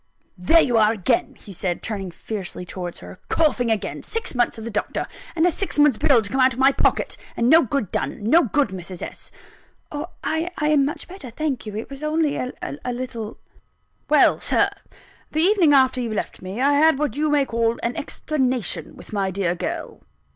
"There you are again!" he said, turning fiercely towards her "Coughing again! Six months of the doctor a six months' bill to come out of my pocket and no good done no good, Mrs. S." "Oh, I am much better, thank you it was only a little " "Well, Sir, the evening after you left me, I had what you may call an explanation with my dear girl.